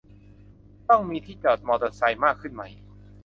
ต้องมีที่จอดมอเตอร์ไซค์มากขึ้นไหม